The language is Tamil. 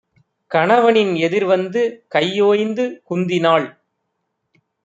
கணவனின் எதிர்வந்து கையோய்ந்து குந்தினாள்.